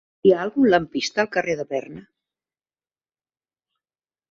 Hi ha algun lampista al carrer de Berna?